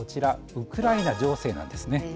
ウクライナ情勢なんですね。